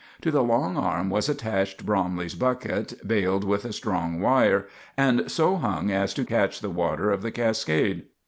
To the long arm was attached Bromley's bucket, bailed with a strong wire, and so hung as to catch the water of the cascade.